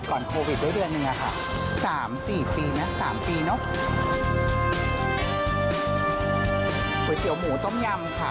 เกลียวหมูต้มยำค่ะ